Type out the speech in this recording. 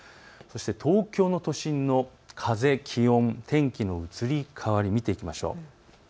東京都心の風、気温、天気の移り変わり見ていきましょう。